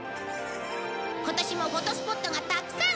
今年もフォトスポットがたくさん！